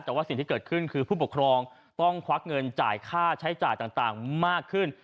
แต่ว่าสิ่งที่เกิดขึ้นคือผู้ปกครองต้องควักเงินจ่ายค่าใช้จ่ายต่างมากขึ้น